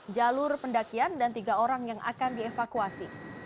jalur pendakian dan tiga orang yang akan dievakuasi